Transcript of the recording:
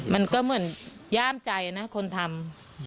มันก็เหมือนย่ามใจนะคนทำ